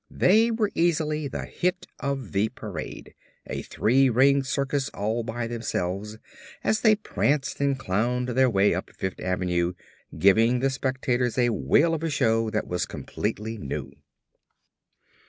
They were easily the hit of the parade, a three ring circus all by themselves, as they pranced and clowned their way up Fifth Avenue giving the spectators a whale of a show that was completely new.